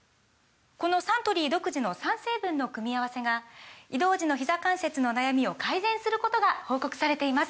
このサントリー独自の３成分の組み合わせが移動時のひざ関節の悩みを改善することが報告されています